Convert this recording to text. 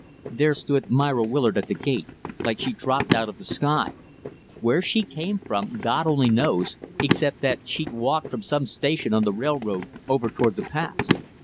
There stood Myra Willard at the gate like she'd dropped out of the sky. Where she came from God only knows except that she'd walked from some station on the railroad over toward the pass.